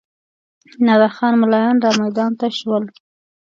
نادر خان ملایان رامیدان ته شول.